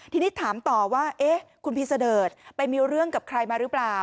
ทีนี้ถามต่อว่าคุณพีเสดิร์ดไปมีเรื่องกับใครมาหรือเปล่า